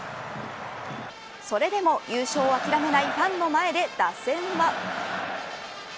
それでも優勝を諦めないファンの前で打線は。